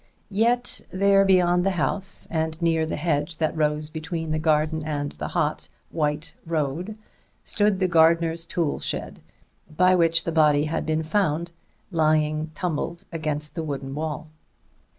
Yet there beyond the house, and near the hedge that rose between the garden and the hot, white road, stood the gardener's tool shed, by which the body had been found, lying tumbled against the wooden wall.